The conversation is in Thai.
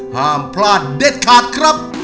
ห้ามพลาดเด็ดขาดครับ